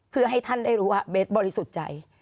เพื่อให้ท่านได้รู้ว่าเบสบริสุทธิ์ใจ